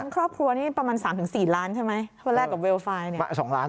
ครอบครัวนี่ประมาณ๓๔ล้านใช่ไหมวันแรกกับเวลไฟล์เนี่ย